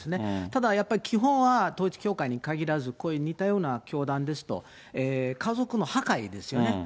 ただやっぱり、基本は統一教会に限らず、こういう似たような教団ですと、家族の破壊ですよね。